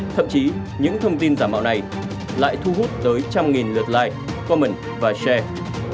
thậm chí những thông tin giả mạo này lại thu hút tới một trăm linh lượt like comment và share